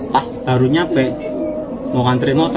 pas barunya mau ngantret motor